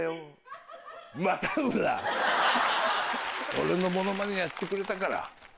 俺のものまねやってくれたから。